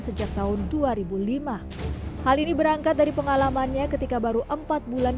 sejak tahun dua ribu lima hal ini berangkat dari pengalamannya ketika baru empat bulan